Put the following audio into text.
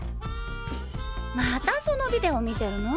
またそのビデオ観てるの？